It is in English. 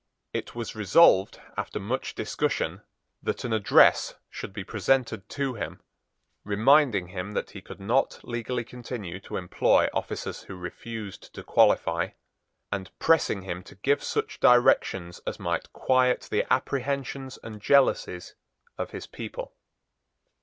It was resolved, after much discussion, that an address should be presented to him, reminding him that he could not legally continue to employ officers who refused to qualify, and pressing him to give such directions as might quiet the apprehensions and jealousies of his people.